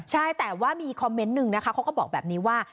ใช่แต่ว่ามีคอมเมนต์หนึ่งนะคะเขาก็บอกแบบนี้ว่า